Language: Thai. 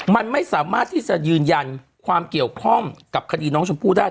มันไม่สามารถที่จะยืนยันความเกี่ยวข้องกับคดีน้องชมพู่ได้